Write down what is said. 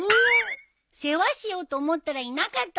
世話しようと思ったらいなかったの！